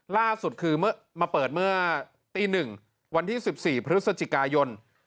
ล่าสุดคือมาเปิดเมื่อตี๑วันที่๑๔พฤศจิกายน